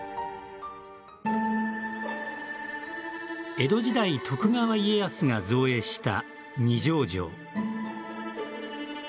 江戸時代、徳川家康が造営した二条城。